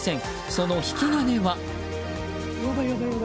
その引き金は？